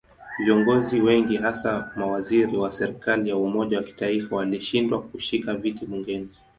Viongozi wengi hasa mawaziri wa serikali ya umoja wa kitaifa walishindwa kushika viti bungeni.